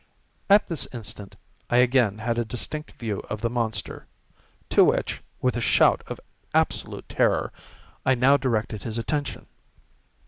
At this instant I again had a distinct view of the monster—to which, with a shout of absolute terror, I now directed his attention.